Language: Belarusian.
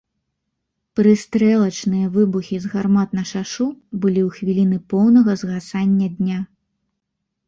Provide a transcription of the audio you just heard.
Прыстрэлачныя выбухі з гармат на шашу былі ў хвіліны поўнага згасання дня.